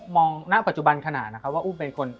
มันทำให้ชีวิตผู้มันไปไม่รอด